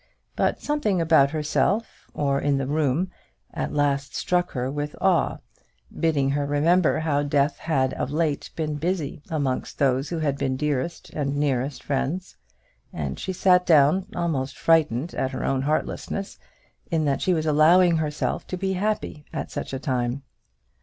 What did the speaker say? But something about herself, or in the room, at last struck her with awe, bidding her remember how death had of late been busy among those who had been her dearest and nearest friends; and she sat down, almost frightened at her own heartlessness, in that she was allowing herself to be happy at such a time.